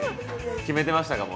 決めてましたか？